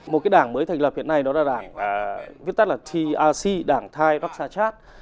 một cái đảng mới thành lập hiện nay đó là đảng viết tắt là trc đảng thai bắc sa chát